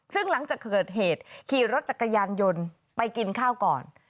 ซึ่งหลังจากเกิดเหตุขี่รถจักรยานยนต์ไปกินข้าวก่อน